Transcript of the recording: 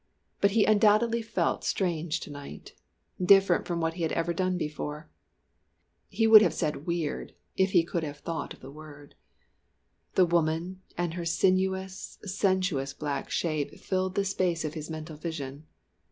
But he undoubtedly felt strange to night; different from what he had ever done before. He would have said "weird" if he could have thought of the word. The woman and her sinuous, sensuous black shape filled the space of his mental vision.